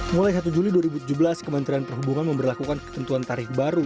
mulai satu juli dua ribu tujuh belas kementerian perhubungan memperlakukan ketentuan tarif baru